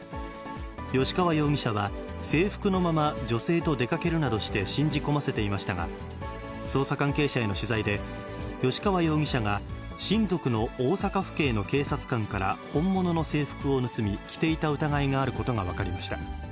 吉川容疑者は、制服のまま女性と出かけるなどして、信じ込ませていましたが、捜査関係者への取材で、吉川容疑者が親族の大阪府警の警察官から本物の制服を盗み、着ていた疑いがあることが分かりました。